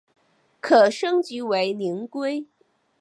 可升级成为灵龟。